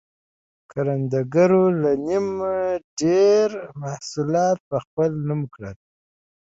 کروندګرو له نییمه ډېر محصولات په خپل نوم کول.